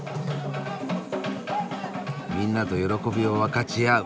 みんなと喜びを分かち合う。